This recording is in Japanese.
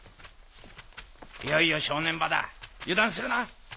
いよいよ正念場だ油断するな。